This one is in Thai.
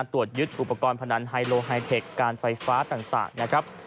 ตรวจยึดอุปกรณ์พนันไฮโลไฮเทคการไฟฟ้าต่างนะครับ